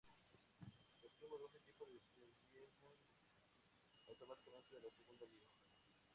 Los últimos dos equipos descienden automáticamente a la Segunda Liga.